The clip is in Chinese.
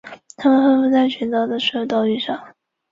它们分布在群岛的所有岛屿上。